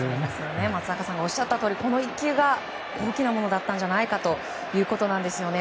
松坂さんがおっしゃったとおりこの１球が大きなものだったんじゃないかということですね。